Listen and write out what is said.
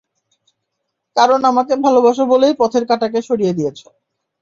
কারণ আমাকে ভালোবাসো বলেই পথের কাঁটাকে সরিয়ে দিয়েছ।